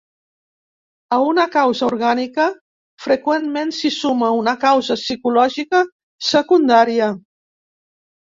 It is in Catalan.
A una causa orgànica freqüentment s'hi suma una causa psicològica secundària.